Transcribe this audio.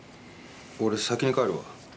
俺先に帰るわ。